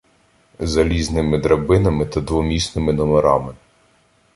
залізними драбинами та двомісними «номерами»